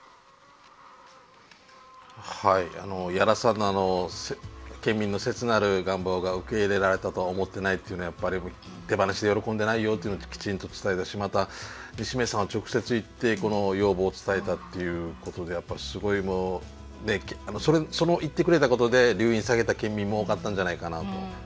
屋良さんの県民の切なる願望が受け入れられたとは思ってないっていうのはやっぱり手放しで喜んでないよというのをきちんと伝えたしまた西銘さんは直接行ってこの要望を伝えたっていうことでやっぱすごいもうその言ってくれたことで留飲下げた県民も多かったんじゃないかなと思いましたね。